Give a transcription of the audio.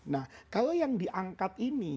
nah kalau yang diangkat ini